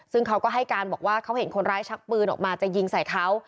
ซึ่งเขาก็ให้การบอกว่าเขาเห็นคนร้ายชักปืนออกมาจะยิงใส่เขา